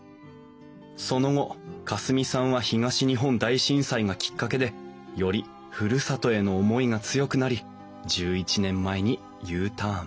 その後夏澄さんは東日本大震災がきっかけでよりふるさとへの思いが強くなり１１年前にＵターン。